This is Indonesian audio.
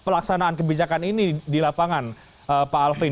seperti apa pelaksanaan kebijakan ini di lapangan pak alvin